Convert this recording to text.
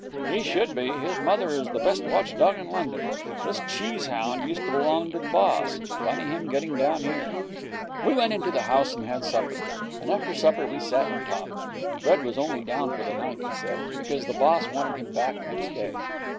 'He should be. His mother is the best watch dog in London. This cheese hound used to belong to the boss. Funny him getting down here.' We went into the house and had supper. And after supper we sat and talked. Fred was only down for the night, he said, because the boss wanted him back next day.